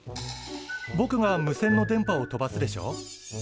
ぼくが無線の電波を飛ばすでしょ。